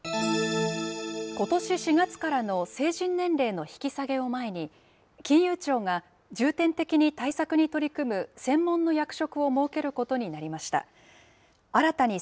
ことし４月からの成人年齢の引き下げを前に、金融庁が、重点的に対策に取り組む専門の役職を設けることになりました。